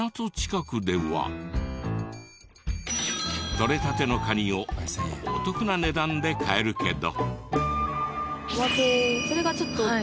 とれたてのカニをお得な値段で買えるけど。